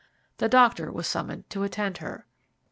The doctor was summoned to attend her.